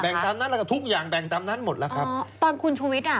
ตามนั้นแล้วก็ทุกอย่างแบ่งตามนั้นหมดแล้วครับอ๋อตอนคุณชุวิตอ่ะ